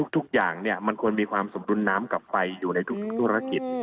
ทุกอย่างมันควรมีความสมดุลน้ำกลับไปอยู่ในทุกธุรกิจ